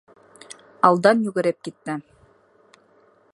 Алдан йүгереп китте.